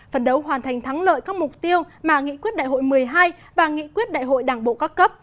phần đấu hoàn thành thắng lợi các mục tiêu mà nghị quyết đại hội một mươi hai và nghị quyết đại hội đảng bộ các cấp